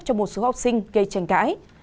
cho một số học sinh gây tranh cãi